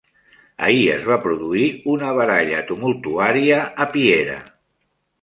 Ahir es va produir una baralla tumultuària a Piera.